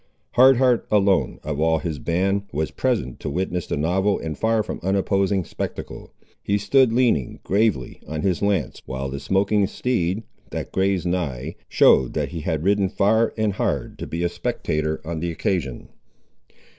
Hard Heart alone, of all his band, was present to witness the novel and far from unimposing spectacle. He stood leaning, gravely, on his lance, while the smoking steed, that grazed nigh, showed that he had ridden far and hard to be a spectator, on the occasion.